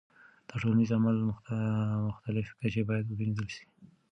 د ټولنیز عمل مختلف کچې باید وپیژندل سي.